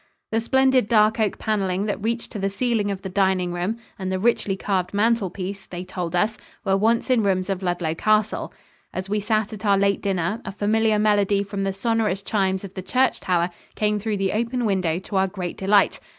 The splendid dark oak paneling that reached to the ceiling of the dining room and the richly carved mantel piece, they told us, were once in rooms of Ludlow Castle. As we sat at our late dinner, a familiar melody from the sonorous chimes of the church tower came through the open window to our great delight.